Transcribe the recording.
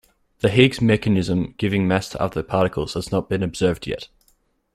The Higgs mechanism giving mass to other particles has not been observed yet.